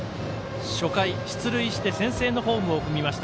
初回、出塁して先制のホームを踏みました